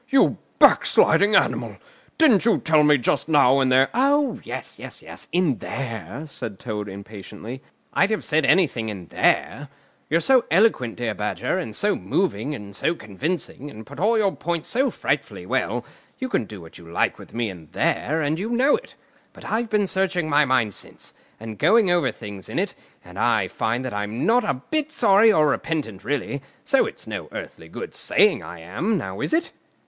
"You backsliding animal, didn't you tell me just now, in there——" "Oh, yes, yes, in there," said Toad impatiently. "I'd have said anything in there. You're so eloquent, dear Badger, and so moving, and so convincing, and put all your points so frightfully well—you can do what you like with me in there, and you know it. But I've been searching my mind since, and going over things in it, and I find that I'm not a bit sorry or repentant really, so it's no earthly good saying I am; now, is it?"